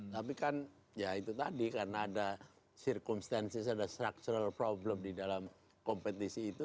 tapi kan ya itu tadi karena ada circumstances ada structural problem di dalam kompetisi itu